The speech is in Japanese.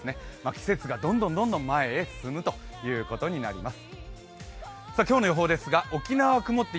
季節がどんどん前へ進むことになります。